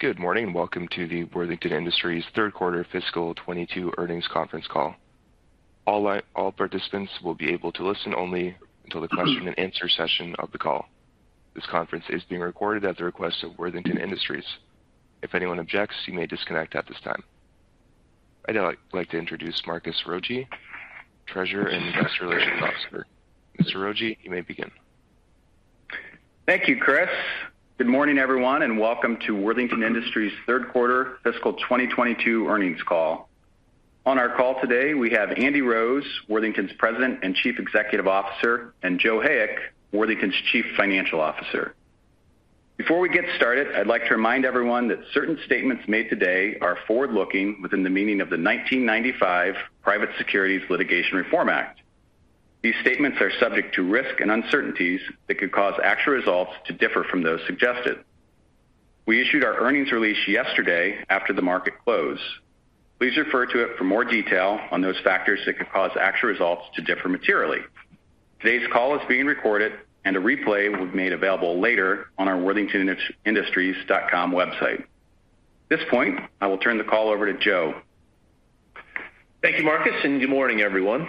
Good morning, and welcome to the Worthington Industries third quarter fiscal 2022 earnings conference call. All participants will be able to listen only until the question and answer session of the call. This conference is being recorded at the request of Worthington Industries. If anyone objects, you may disconnect at this time. I'd now like to introduce Marcus Rogier, Treasurer and Investor Relations Officer. Mr. Rogier, you may begin. Thank you, Chris. Good morning, everyone, and welcome to Worthington Industries third quarter fiscal 2022 earnings call. On our call today, we have Andy Rose, Worthington's President and Chief Executive Officer, and Joe Hayek, Worthington's Chief Financial Officer. Before we get started, I'd like to remind everyone that certain statements made today are forward-looking within the meaning of the 1995 Private Securities Litigation Reform Act. These statements are subject to risk and uncertainties that could cause actual results to differ from those suggested. We issued our earnings release yesterday after the market closed. Please refer to it for more detail on those factors that could cause actual results to differ materially. Today's call is being recorded and a replay will be made available later on our worthingtonindustries.com website. At this point, I will turn the call over to Joe. Thank you, Marcus, and good morning, everyone.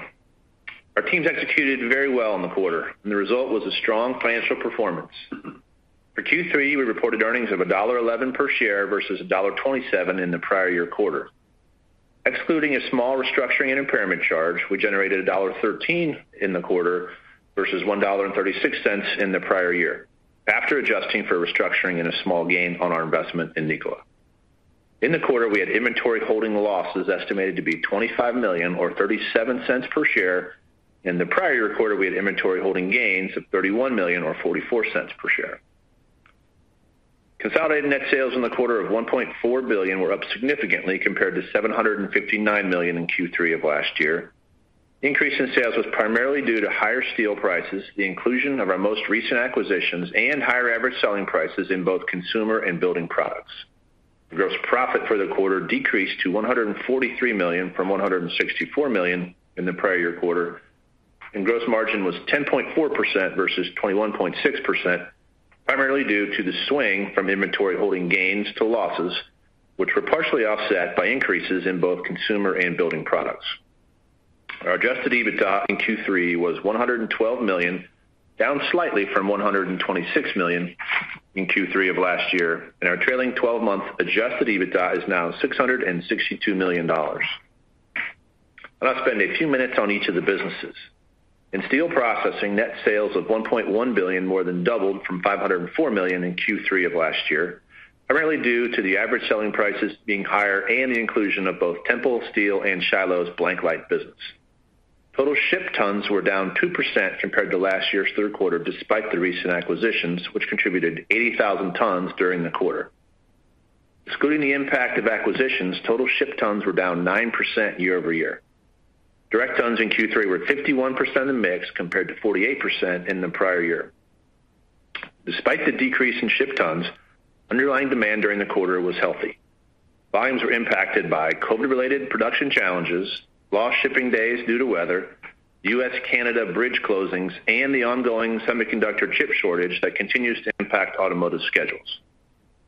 Our teams executed very well in the quarter and the result was a strong financial performance. For Q3, we reported earnings of $1.11 per share versus $1.27 in the prior year quarter. Excluding a small restructuring and impairment charge, we generated $1.13 in the quarter versus $1.36 in the prior year. After adjusting for restructuring and a small gain on our investment in Nikola. In the quarter, we had inventory holding losses estimated to be $25 million or $0.37 per share. In the prior quarter, we had inventory holding gains of $31 million or $0.44 per share. Consolidated net sales in the quarter of $1.4 billion were up significantly compared to $759 million in Q3 of last year. increase in sales was primarily due to higher steel prices, the inclusion of our most recent acquisitions, and higher average selling prices in both consumer and building products. The gross profit for the quarter decreased to $143 million from $164 million in the prior year quarter, and gross margin was 10.4% versus 21.6%, primarily due to the swing from inventory holding gains to losses, which were partially offset by increases in both consumer and building products. Our adjusted EBITDA in Q3 was $112 million, down slightly from $126 million in Q3 of last year, and our trailing-twelve-month adjusted EBITDA is now $662 million. I'll now spend a few minutes on each of the businesses. In steel processing, net sales of $1.1 billion more than doubled from $504 million in Q3 of last year, primarily due to the average selling prices being higher and the inclusion of both Tempel Steel and Shiloh's BlankLight business. Total shipped tons were down 2% compared to last year's third quarter, despite the recent acquisitions, which contributed 80,000 tons during the quarter. Excluding the impact of acquisitions, total shipped tons were down 9% year-over-year. Direct tons in Q3 were 51% of mix compared to 48% in the prior year. Despite the decrease in shipped tons, underlying demand during the quarter was healthy. Volumes were impacted by COVID-related production challenges, lost shipping days due to weather, U.S.-Canada bridge closings, and the ongoing semiconductor chip shortage that continues to impact automotive schedules.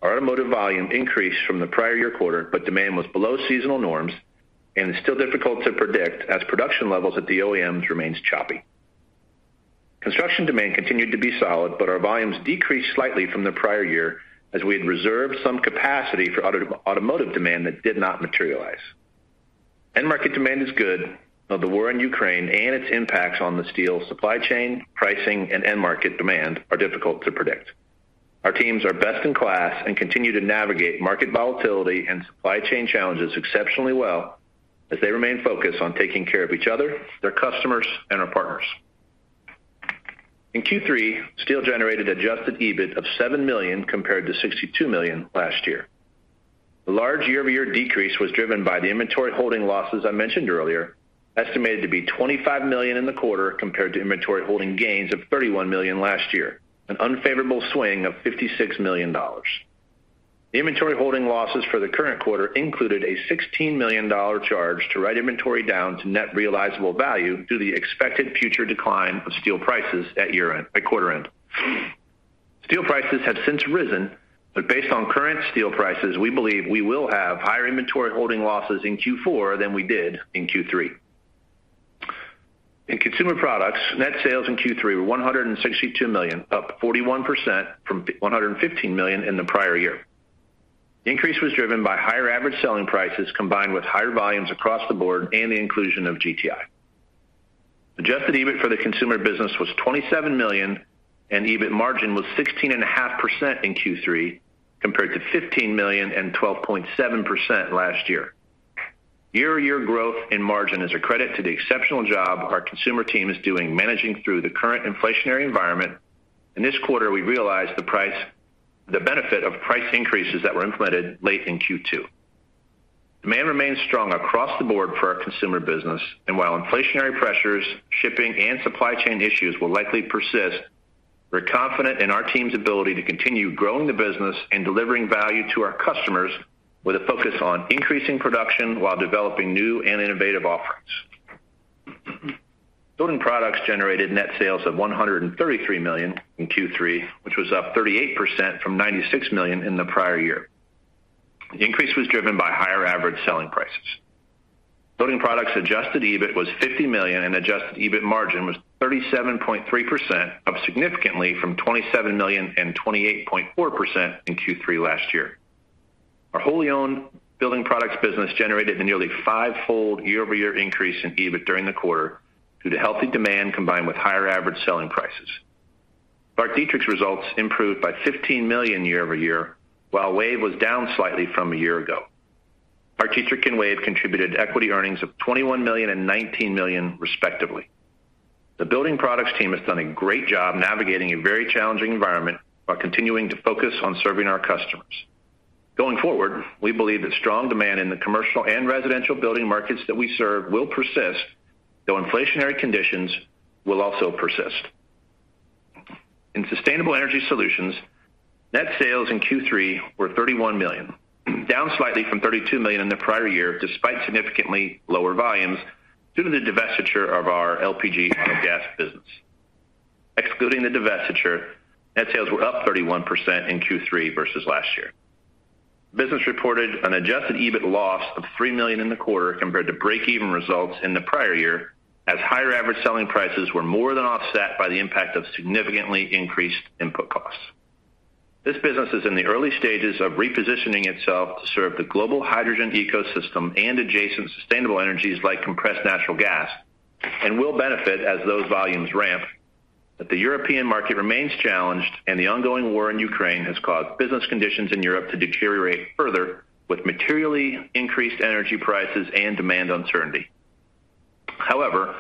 Our automotive volume increased from the prior year quarter, but demand was below seasonal norms and is still difficult to predict as production levels at the OEMs remains choppy. Construction demand continued to be solid, but our volumes decreased slightly from the prior year as we had reserved some capacity for automotive demand that did not materialize. End market demand is good, though the war in Ukraine and its impacts on the steel supply chain, pricing, and end market demand are difficult to predict. Our teams are best in class and continue to navigate market volatility and supply chain challenges exceptionally well as they remain focused on taking care of each other, their customers, and our partners. In Q3, steel generated adjusted EBIT of $7 million compared to $62 million last year. The large year-over-year decrease was driven by the inventory holding losses I mentioned earlier, estimated to be $25 million in the quarter compared to inventory holding gains of $31 million last year, an unfavorable swing of $56 million. The inventory holding losses for the current quarter included a $16 million charge to write inventory down to net realizable value due to the expected future decline of steel prices at quarter end. Steel prices have since risen, but based on current steel prices, we believe we will have higher inventory holding losses in Q4 than we did in Q3. In consumer products, net sales in Q3 were $162 million, up 41% from one hundred and fifteen million in the prior year. The increase was driven by higher average selling prices combined with higher volumes across the board and the inclusion of GTI. Adjusted EBIT for the consumer business was $27 million, and EBIT margin was 16.5% in Q3 compared to $15 million and 12.7% last year. Year-over-year growth in margin is a credit to the exceptional job our consumer team is doing managing through the current inflationary environment, and this quarter we realized the benefit of price increases that were implemented late in Q2. Demand remains strong across the board for our consumer business, and while inflationary pressures, shipping, and supply chain issues will likely persist, we're confident in our team's ability to continue growing the business and delivering value to our customers with a focus on increasing production while developing new and innovative offerings. Building Products generated net sales of $133 million in Q3, which was up 38% from $96 million in the prior year. The increase was driven by higher average selling prices. Building Products adjusted EBIT was $50 million, and adjusted EBIT margin was 37.3%, up significantly from $27 million and 28.4% in Q3 last year. Our wholly owned Building Products business generated a nearly five-fold year-over-year increase in EBIT during the quarter due to healthy demand combined with higher average selling prices. ClarkDietrich's results improved by $15 million year-over-year, while WAVE was down slightly from a year ago. ClarkDietrich and WAVE contributed equity earnings of $21 million and $19 million, respectively. The Building Products team has done a great job navigating a very challenging environment while continuing to focus on serving our customers. Going forward, we believe that strong demand in the commercial and residential building markets that we serve will persist, though inflationary conditions will also persist. In Sustainable Energy Solutions, net sales in Q3 were $31 million, down slightly from $32 million in the prior year, despite significantly lower volumes due to the divestiture of our LPG auto gas business. Excluding the divestiture, net sales were up 31% in Q3 versus last year. Business reported an adjusted EBIT loss of $3 million in the quarter compared to break-even results in the prior year, as higher average selling prices were more than offset by the impact of significantly increased input costs. This business is in the early stages of repositioning itself to serve the global hydrogen ecosystem and adjacent sustainable energies like compressed natural gas and will benefit as those volumes ramp. The European market remains challenged, and the ongoing war in Ukraine has caused business conditions in Europe to deteriorate further, with materially increased energy prices and demand uncertainty. However,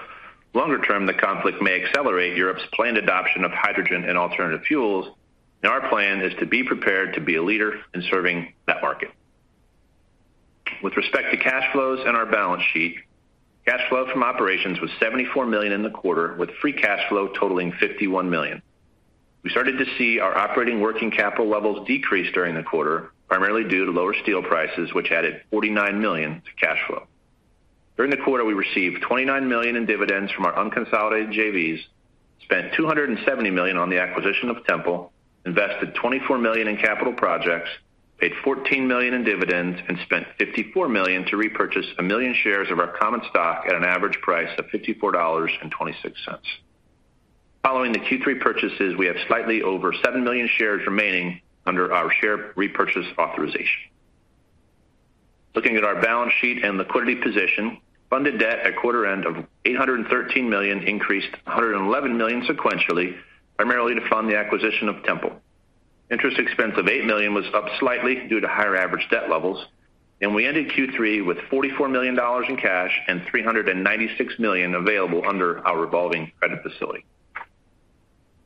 longer term, the conflict may accelerate Europe's planned adoption of hydrogen and alternative fuels, and our plan is to be prepared to be a leader in serving that market. With respect to cash flows and our balance sheet, cash flow from operations was $74 million in the quarter, with free cash flow totaling $51 million. We started to see our operating working capital levels decrease during the quarter, primarily due to lower steel prices, which added $49 million to cash flow. During the quarter, we received $29 million in dividends from our unconsolidated JVs, spent $270 million on the acquisition of Tempel, invested $24 million in capital projects, paid $14 million in dividends, and spent $54 million to repurchase 1 million shares of our common stock at an average price of $54.26. Following the Q3 purchases, we have slightly over 7 million shares remaining under our share repurchase authorization. Looking at our balance sheet and liquidity position, funded debt at quarter end of $813 million increased $111 million sequentially, primarily to fund the acquisition of Tempel. Interest expense of $8 million was up slightly due to higher average debt levels, and we ended Q3 with $44 million in cash and $396 million available under our revolving credit facility.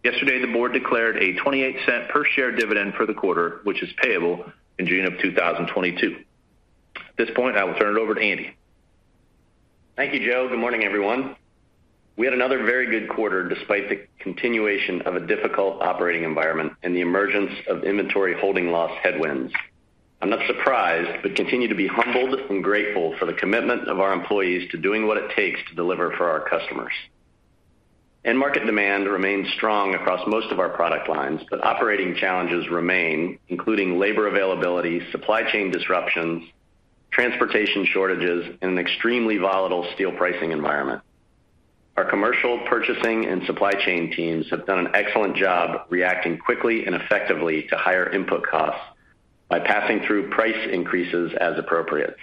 Yesterday, the board declared a 28-cent per share dividend for the quarter, which is payable in June 2022. At this point, I will turn it over to Andy. Thank you, Joe. Good morning, everyone. We had another very good quarter despite the continuation of a difficult operating environment and the emergence of inventory holding loss headwinds. I'm not surprised, but continue to be humbled and grateful for the commitment of our employees to doing what it takes to deliver for our customers. End market demand remains strong across most of our product lines, but operating challenges remain, including labor availability, supply chain disruptions, transportation shortages, and an extremely volatile steel pricing environment. Our commercial purchasing and supply chain teams have done an excellent job reacting quickly and effectively to higher input costs by passing through price increases as appropriate.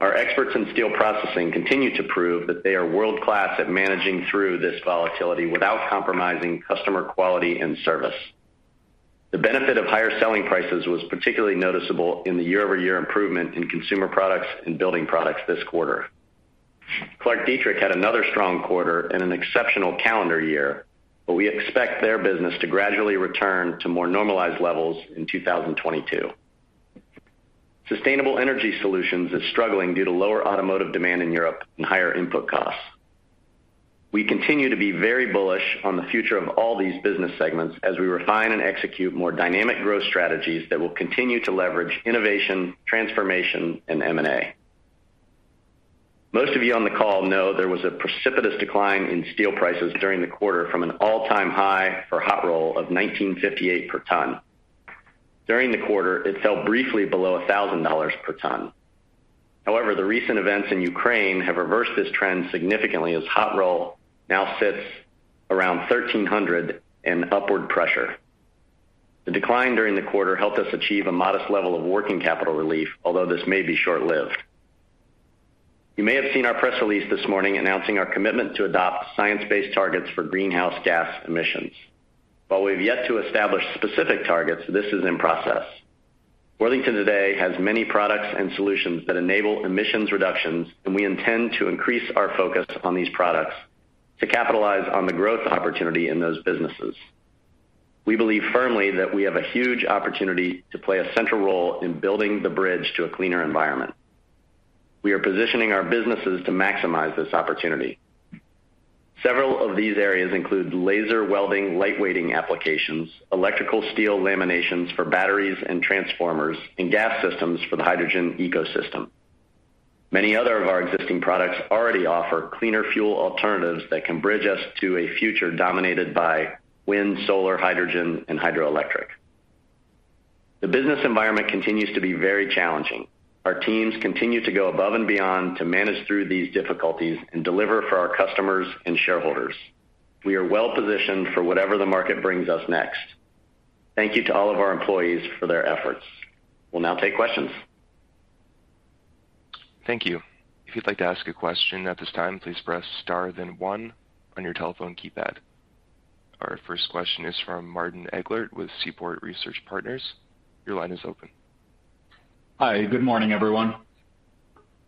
Our experts in steel processing continue to prove that they are world-class at managing through this volatility without compromising customer quality and service. The benefit of higher selling prices was particularly noticeable in the year-over-year improvement in consumer products and building products this quarter. ClarkDietrich had another strong quarter and an exceptional calendar year, but we expect their business to gradually return to more normalized levels in 2022. Sustainable Energy Solutions is struggling due to lower automotive demand in Europe and higher input costs. We continue to be very bullish on the future of all these business segments as we refine and execute more dynamic growth strategies that will continue to leverage innovation, transformation, and M&A. Most of you on the call know there was a precipitous decline in steel prices during the quarter from an all-time high for hot roll of $1,958 per ton. During the quarter, it fell briefly below $1,000 per ton. However, the recent events in Ukraine have reversed this trend significantly as hot roll now sits around 1,300 and upward pressure. The decline during the quarter helped us achieve a modest level of working capital relief, although this may be short-lived. You may have seen our press release this morning announcing our commitment to adopt science-based targets for greenhouse gas emissions. While we've yet to establish specific targets, this is in process. Worthington today has many products and solutions that enable emissions reductions, and we intend to increase our focus on these products to capitalize on the growth opportunity in those businesses. We believe firmly that we have a huge opportunity to play a central role in building the bridge to a cleaner environment. We are positioning our businesses to maximize this opportunity. Several of these areas include laser welding, lightweighting applications, electrical steel laminations for batteries and transformers, and gas systems for the hydrogen ecosystem. Many other of our existing products already offer cleaner fuel alternatives that can bridge us to a future dominated by wind, solar, hydrogen, and hydroelectric. The business environment continues to be very challenging. Our teams continue to go above and beyond to manage through these difficulties and deliver for our customers and shareholders. We are well-positioned for whatever the market brings us next. Thank you to all of our employees for their efforts. We'll now take questions. Thank you. Our first question is from Martin Englert with Seaport Research Partners. Your line is open. Hi. Good morning, everyone.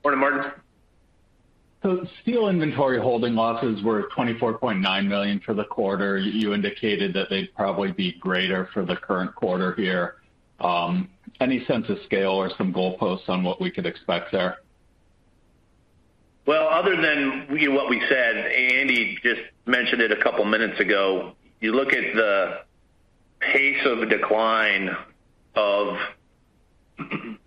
Morning, Martin. Steel inventory holding losses were $24.9 million for the quarter. You indicated that they'd probably be greater for the current quarter here. Any sense of scale or some goalposts on what we could expect there? Well, other than what we said, Andy just mentioned it a couple of minutes ago. You look at the pace of decline of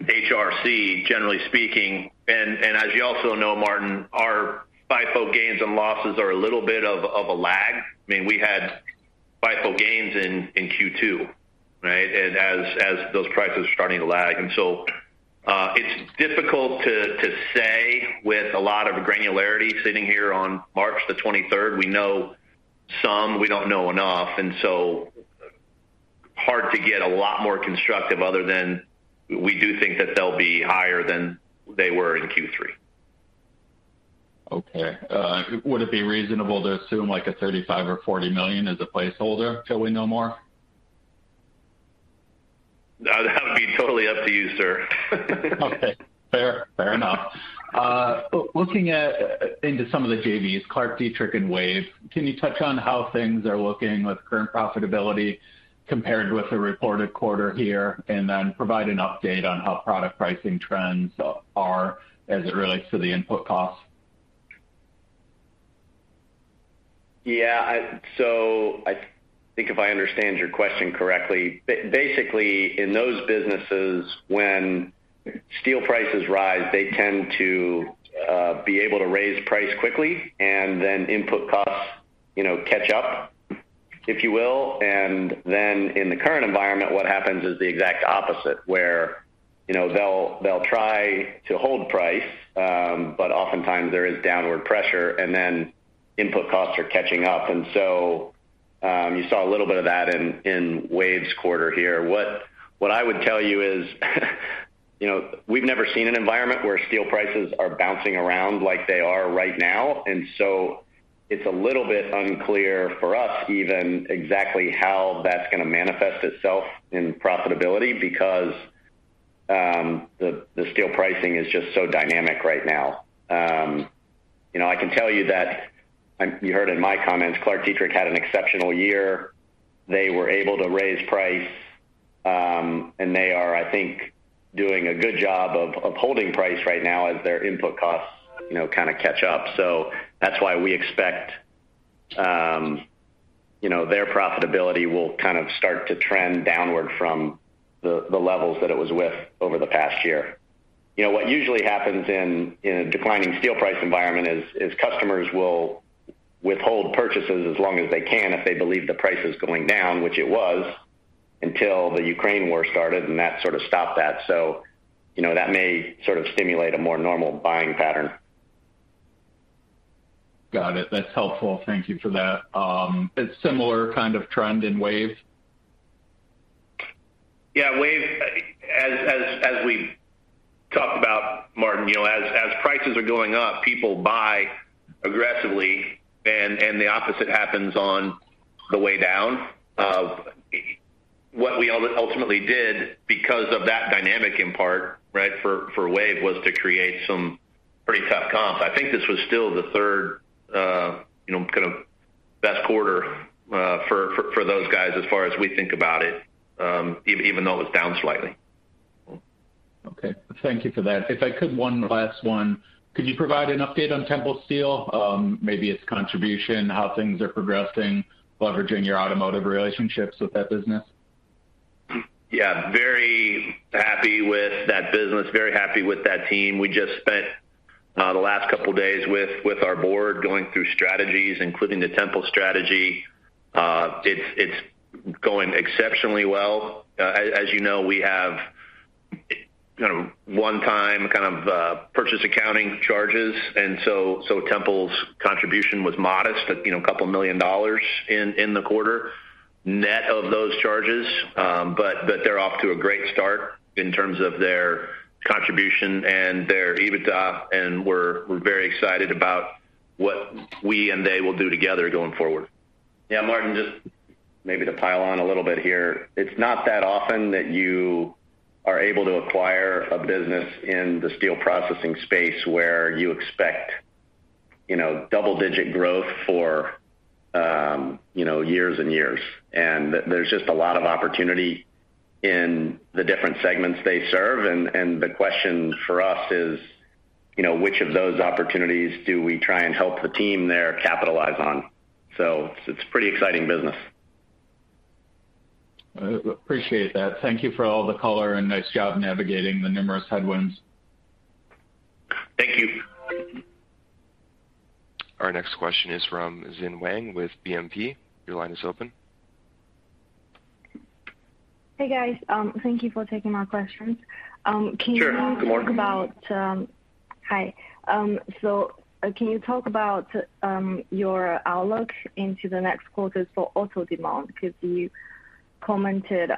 HRC, generally speaking, and as you also know, Martin, our FIFO gains and losses are a little bit of a lag. I mean, we had FIFO gains in Q2, right? As those prices are starting to lag. It's difficult to say with a lot of granularity sitting here on March the twenty-third. We know some, we don't know enough, and so hard to get a lot more constructive other than we do think that they'll be higher than they were in Q3. Okay. Would it be reasonable to assume, like, a $35 million-$40 million as a placeholder till we know more? That would be totally up to you, sir. Okay. Fair enough. Looking into some of the JVs, ClarkDietrich and WAVE, can you touch on how things are looking with current profitability compared with the reported quarter here, and then provide an update on how product pricing trends are as it relates to the input costs? Yeah. I think if I understand your question correctly, basically, in those businesses, when steel prices rise, they tend to be able to raise price quickly, and then input costs, you know, catch up, if you will. In the current environment, what happens is the exact opposite, where, you know, they'll try to hold price, but oftentimes there is downward pressure, and then input costs are catching up. You saw a little bit of that in WAVE's quarter here. What I would tell you is, you know, we've never seen an environment where steel prices are bouncing around like they are right now. It's a little bit unclear for us even exactly how that's gonna manifest itself in profitability because the steel pricing is just so dynamic right now. You know, I can tell you that, and you heard in my comments, ClarkDietrich had an exceptional year. They were able to raise price, and they are, I think, doing a good job of holding price right now as their input costs, you know, kinda catch up. That's why we expect, you know, their profitability will kind of start to trend downward from the levels that it was with over the past year. You know, what usually happens in a declining steel price environment is customers will withhold purchases as long as they can if they believe the price is going down, which it was, until the Ukraine war started, and that sort of stopped that. You know, that may sort of stimulate a more normal buying pattern. Got it. That's helpful. Thank you for that. A similar kind of trend in WAVE? Yeah, WAVE, as we talk about, Martin, you know, as prices are going up, people buy aggressively and the opposite happens on the way down. What we ultimately did because of that dynamic in part, right, for WAVE was to create some pretty tough comps. I think this was still the third, you know, kind of best quarter for those guys as far as we think about it, even though it's down slightly. Okay. Thank you for that. If I could, one last one. Could you provide an update on Tempel Steel, maybe its contribution, how things are progressing, leveraging your automotive relationships with that business? Yeah. Very happy with that business, very happy with that team. We just spent the last couple of days with our board going through strategies, including the Tempel strategy. It's going exceptionally well. As you know, we have one-time purchase accounting charges, so Tempel's contribution was modest at, you know, $2 million in the quarter net of those charges. But they're off to a great start in terms of their contribution and their EBITDA, and we're very excited about what we and they will do together going forward. Yeah, Martin, just maybe to pile on a little bit here. It's not that often that you are able to acquire a business in the steel processing space where you expect, you know, double-digit growth for, you know, years and years. There's just a lot of opportunity in the different segments they serve. The question for us is, you know, which of those opportunities do we try and help the team there capitalize on? It's pretty exciting business. Appreciate that. Thank you for all the color, and nice job navigating the numerous headwinds. Thank you. Our next question is from Zane Wang with BNP. Your line is open. Hey, guys. Thank you for taking my questions. Can you talk about? Sure. Good morning. Hi. Can you talk about your outlook into the next quarters for auto demand? Because you commented,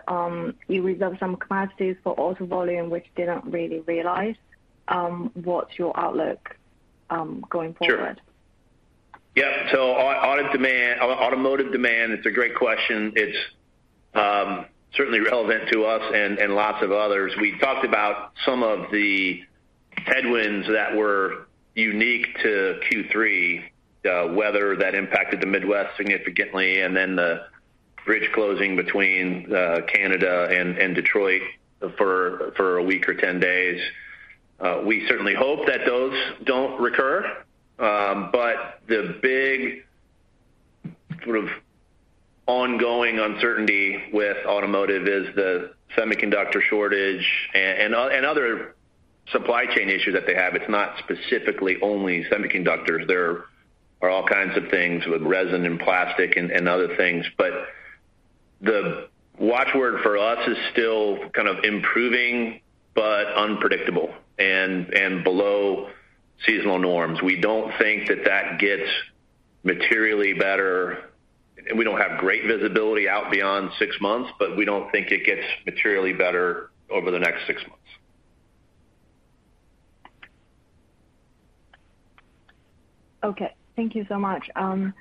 you reserved some capacities for auto volume, which didn't really realize. What's your outlook going forward? Automotive demand, it's a great question. It's certainly relevant to us and lots of others. We talked about some of the headwinds that were unique to Q3, weather that impacted the Midwest significantly, and then the bridge closing between Canada and Detroit for a week or 10 days. We certainly hope that those don't recur. The big sort of ongoing uncertainty with automotive is the semiconductor shortage and other supply chain issues that they have. It's not specifically only semiconductors. There are all kinds of things with resin and plastic and other things. The watchword for us is still kind of improving, but unpredictable and below seasonal norms. We don't think that gets materially better. We don't have great visibility out beyond six months, but we don't think it gets materially better over the next six months. Okay. Thank you so much. I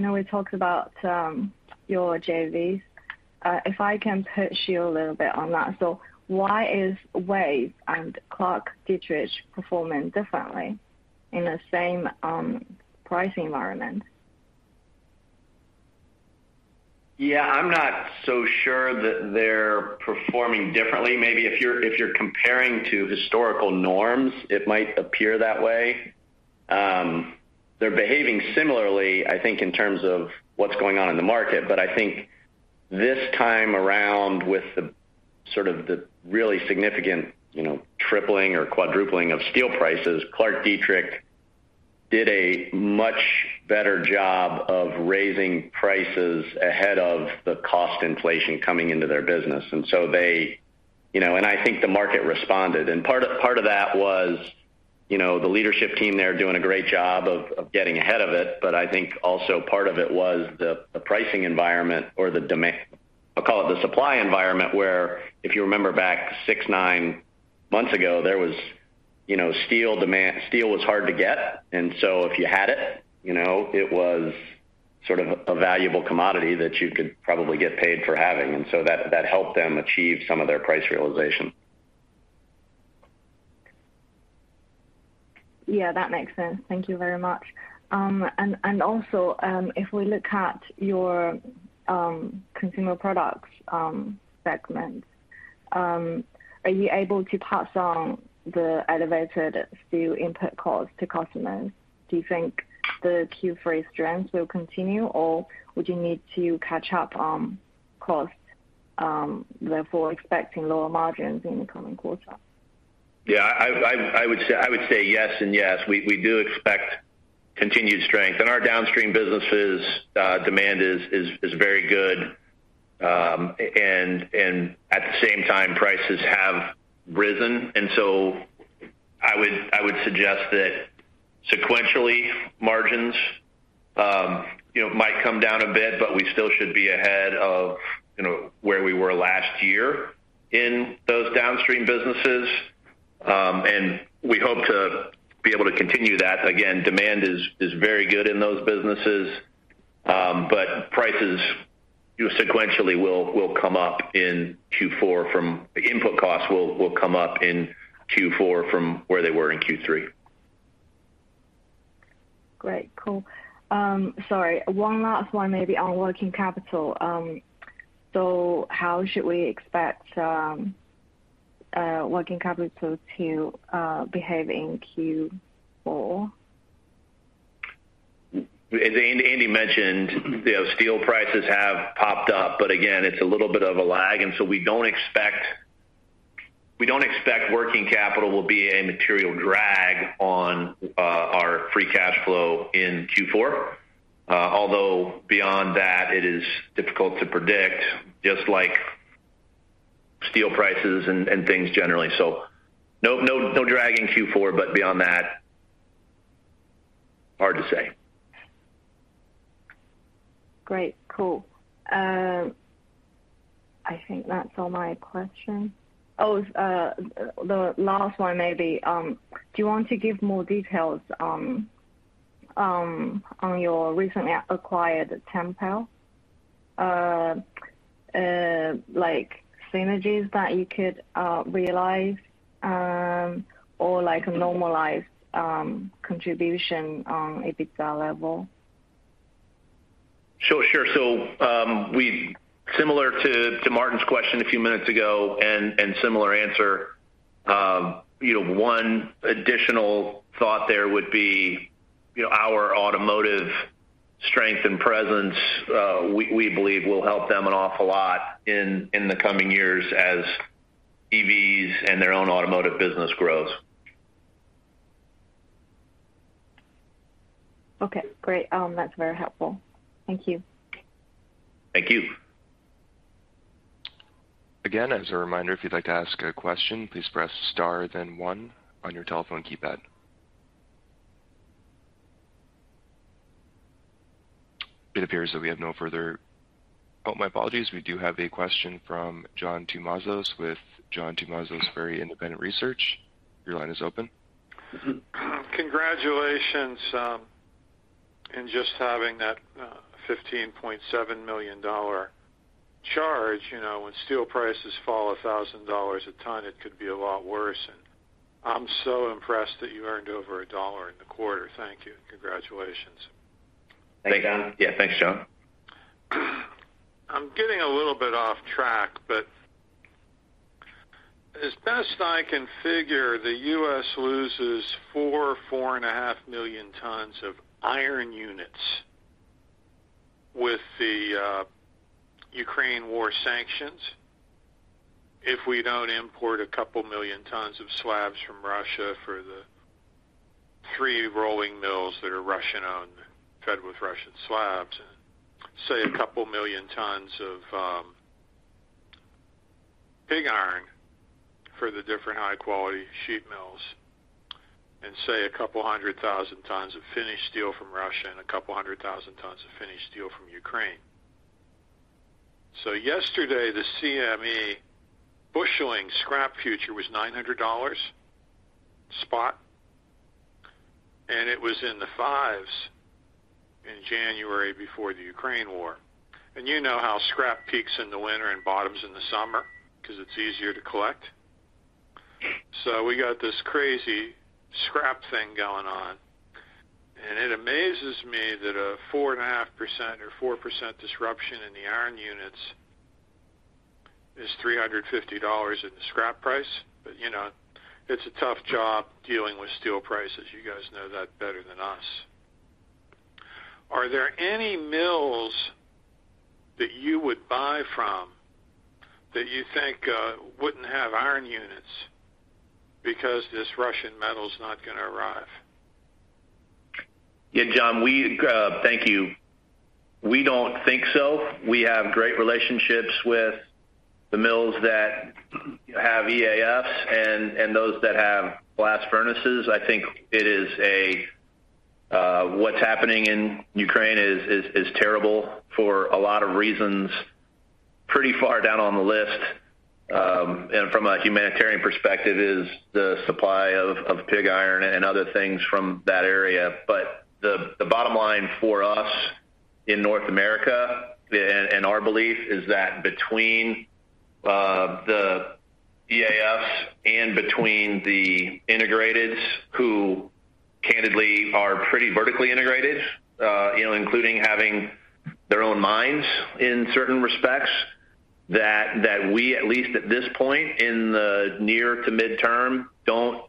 know we talked about your JVs. If I can push you a little bit on that. Why is WAVE and ClarkDietrich performing differently in the same pricing environment? Yeah. I'm not so sure that they're performing differently. Maybe if you're comparing to historical norms, it might appear that way. They're behaving similarly, I think, in terms of what's going on in the market. I think this time around, with the sort of the really significant, you know, tripling or quadrupling of steel prices, ClarkDietrich did a much better job of raising prices ahead of the cost inflation coming into their business. You know, I think the market responded. Part of that was, you know, the leadership team there doing a great job of getting ahead of it. I think also part of it was the pricing environment or I'll call it the supply environment, where if you remember back 6, 9 months ago, there was, you know, steel demand. Steel was hard to get. If you had it, you know, it was sort of a valuable commodity that you could probably get paid for having. That helped them achieve some of their price realization. Yeah, that makes sense. Thank you very much. If we look at your consumer products segment, are you able to pass on the elevated steel input costs to customers? Do you think the Q3 strength will continue, or would you need to catch up on costs, therefore expecting lower margins in the coming quarter? Yeah. I would say yes and yes. We do expect continued strength. In our downstream businesses, demand is very good. At the same time, prices have risen. I would suggest that sequentially margins, you know, might come down a bit, but we still should be ahead of, you know, where we were last year in those downstream businesses. We hope to be able to continue that. Again, demand is very good in those businesses. Input costs, you know, sequentially will come up in Q4 from where they were in Q3. Great. Cool. Sorry, one last one maybe on working capital. How should we expect working capital to behave in Q4? As Andy mentioned, you know, steel prices have popped up, but again, it's a little bit of a lag, and so we don't expect working capital will be a material drag on our free cash flow in Q4. Although beyond that, it is difficult to predict, just like steel prices and things generally. No drag in Q4, but beyond that, hard to say. Great. Cool. I think that's all my questions. The last one maybe. Do you want to give more details on your recently acquired Tempel? Like synergies that you could realize, or like normalized contribution on EBITDA level? Sure, sure. Similar to Martin's question a few minutes ago and similar answer. You know, one additional thought there would be, you know, our automotive strength and presence, we believe will help them an awful lot in the coming years as EVs and their own automotive business grows. Okay, great. That's very helpful. Thank you. Thank you. Again, as a reminder, if you'd like to ask a question, please press Star, then one on your telephone keypad. Oh, my apologies. We do have a question from John Tumazos with John Tumazos Very Independent Research. Your line is open. Congratulations in just having that $15.7 million charge. You know, when steel prices fall $1,000 a ton, it could be a lot worse. I'm so impressed that you earned over $1 in the quarter. Thank you. Congratulations. Thanks, John. Yeah, thanks, John. I'm getting a little bit off track, but as best I can figure, the U.S. loses 4-4.5 million tons of iron units with the Ukraine war sanctions if we don't import 2 million tons of slabs from Russia for the three rolling mills that are Russian-owned, fed with Russian slabs, say 2 million tons of pig iron for the different high-quality sheet mills and say 200,000 tons of finished steel from Russia and 200,000 tons of finished steel from Ukraine. Yesterday, the CME busheling scrap future was $900 spot, and it was in the $500s in January before the Ukraine war. You know how scrap peaks in the winter and bottoms in the summer 'cause it's easier to collect. We got this crazy scrap thing going on, and it amazes me that a 4.5% or 4% disruption in the iron units is $350 in the scrap price. You know, it's a tough job dealing with steel prices. You guys know that better than us. Are there any mills that you would buy from that you think wouldn't have iron units because this Russian metal is not gonna arrive? Yeah, John, thank you. We don't think so. We have great relationships with the mills that have EAFs and those that have blast furnaces. I think what's happening in Ukraine is terrible for a lot of reasons. Pretty far down on the list, and from a humanitarian perspective is the supply of pig iron and other things from that area. The bottom line for us in North America and our belief is that between the EAFs and between the integrateds who candidly are pretty vertically integrated, you know, including having their own mines in certain respects, that we at least at this point in the near to midterm, don't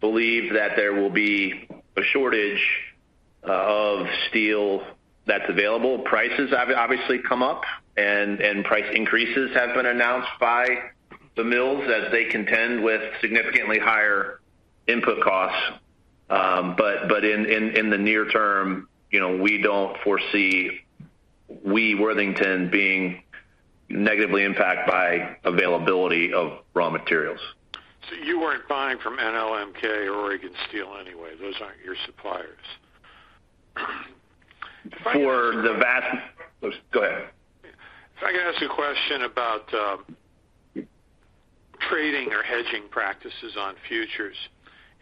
believe that there will be a shortage of steel that's available. Prices have obviously come up and price increases have been announced by the mills as they contend with significantly higher input costs. In the near term, you know, we don't foresee we, Worthington, being negatively impacted by availability of raw materials. You weren't buying from NLMK or Oregon Steel anyway. Those aren't your suppliers. Go ahead. If I could ask you a question about trading or hedging practices on futures.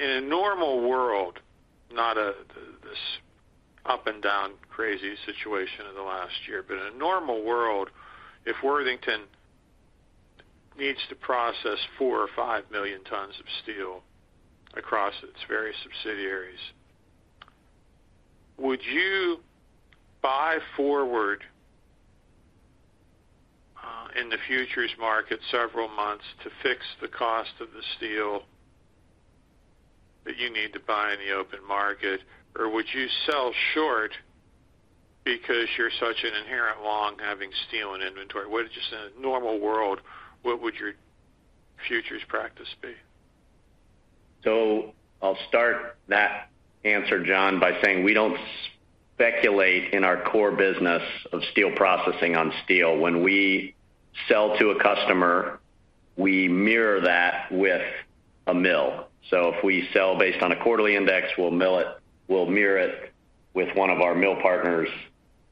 In a normal world, not this up and down crazy situation in the last year, but in a normal world, if Worthington needs to process 4 or 5 million tons of steel across its various subsidiaries, would you buy forward in the futures market several months to fix the cost of the steel that you need to buy in the open market? Or would you sell short because you're such an inherent long having steel in inventory? Just in a normal world, what would your futures practice be? I'll start that answer, John, by saying we don't speculate in our core business of steel processing on steel. When we sell to a customer, we mirror that with a mill. If we sell based on a quarterly index, we'll mill it. We'll mirror it with one of our mill partners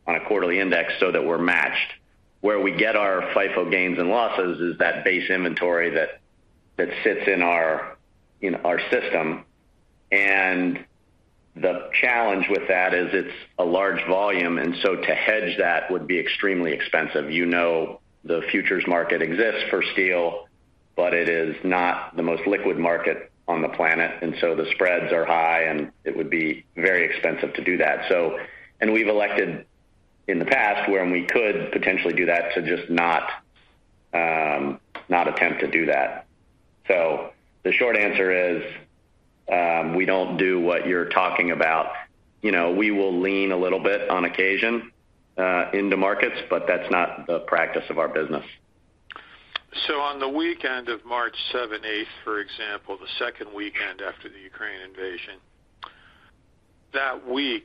on a quarterly index so that we're matched. Where we get our FIFO gains and losses is that base inventory that sits in our system. The challenge with that is it's a large volume, and so to hedge that would be extremely expensive. You know, the futures market exists for steel, but it is not the most liquid market on the planet. The spreads are high, and it would be very expensive to do that. We've elected in the past, when we could potentially do that to just not attempt to do that. The short answer is, we don't do what you're talking about. You know, we will lean a little bit on occasion, in the markets, but that's not the practice of our business. On the weekend of March seventh, eighth, for example, the second weekend after the Ukraine invasion. That week,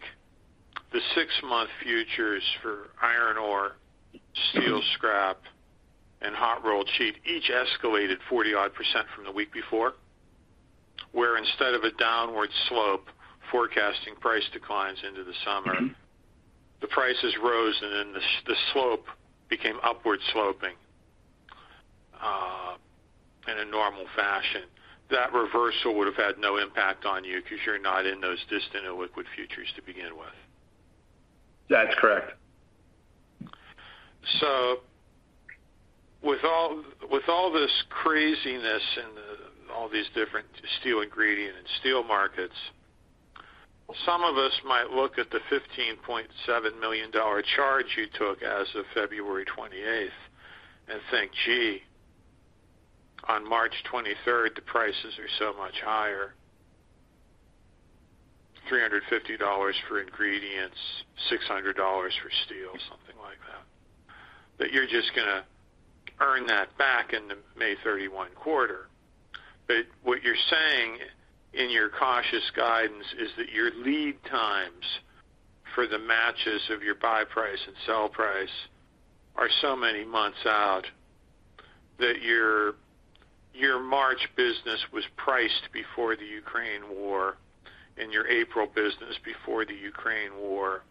the six-month futures for iron ore, steel scrap, and hot-rolled sheet each escalated 40-odd% from the week before, where instead of a downward slope forecasting price declines into the summer, the prices rose, and then the slope became upward sloping in a normal fashion. That reversal would have had no impact on you because you're not in those distant illiquid futures to begin with. That's correct. With all this craziness and all these different steel ingredient and steel markets, some of us might look at the $15.7 million charge you took as of February 28th and think, "Gee, on March 23rd, the prices are so much higher." $350 for ingredients, $600 for steel, something like that you're just gonna earn that back in the May 31 quarter. What you're saying in your cautious guidance is that your lead times for the matches of your buy price and sell price are so many months out that your March business was priced before the Ukraine war and your April business before the Ukraine war,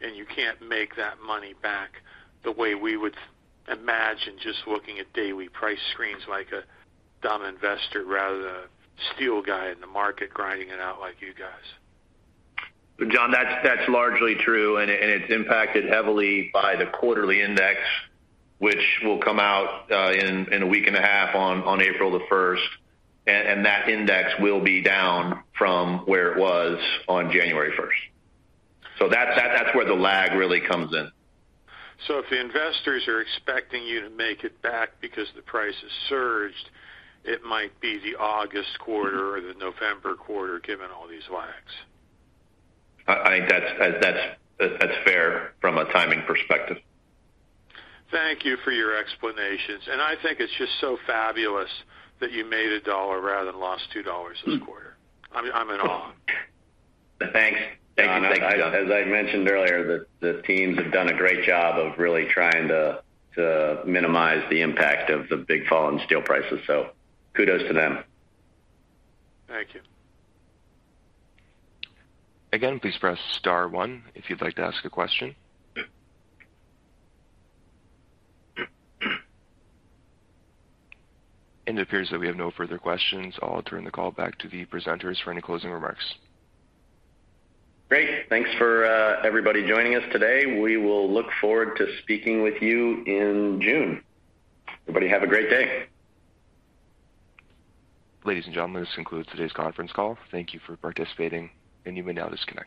and you can't make that money back the way we would imagine just looking at daily price screens like a dumb investor rather than a steel guy in the market grinding it out like you guys. John, that's largely true, and it's impacted heavily by the quarterly index, which will come out in a week and a half on April the first. That index will be down from where it was on January first. That's where the lag really comes in. If the investors are expecting you to make it back because the price has surged, it might be the August quarter or the November quarter, given all these lags. I think that's fair from a timing perspective. Thank you for your explanations. I think it's just so fabulous that you made $1 rather than lost $2 this quarter. I'm in awe. Thanks. Thank you. As I mentioned earlier, the teams have done a great job of really trying to minimize the impact of the big fall in steel prices. Kudos to them. Thank you. Again, please press star one if you'd like to ask a question. It appears that we have no further questions. I'll turn the call back to the presenters for any closing remarks. Great. Thanks for everybody joining us today. We will look forward to speaking with you in June. Everybody have a great day. Ladies and gentlemen, this concludes today's conference call. Thank you for participating, and you may now disconnect.